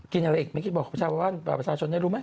กินอะไรอีกไม่คิดบอกพระบาทบราบประชาชนได้รู้ไหม